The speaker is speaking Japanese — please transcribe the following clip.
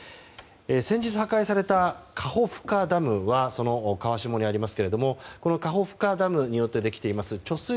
先日破壊されたカホフカダムはその川下にありますけどカホフカダムによってできています